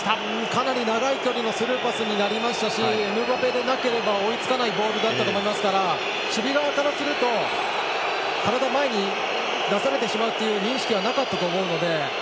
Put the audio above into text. かなり長い距離のスルーパスになりましたしエムバペでなければ追いつかないボールだったと思いますから守備側からすると体を前に出されてしまうという認識はなかったと思うので。